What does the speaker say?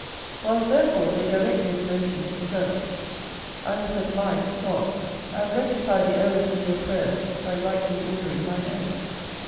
Whilst, therefore, they direct their devotions to her, I offered mine to God; and rectify the errors of their prayers by rightly ordering mine own.